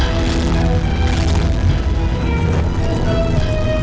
berhasil menanggung uyuh